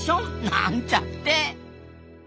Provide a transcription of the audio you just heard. なんちゃって。